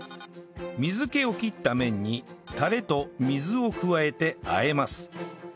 水気を切った麺にタレと水を加えて和えます